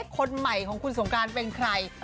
คนใหม่ของคุณสงการเป็นใคร